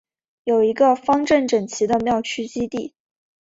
有一个方正整齐的庙区基地。